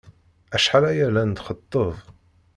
Acḥal aya la nxeṭṭeb.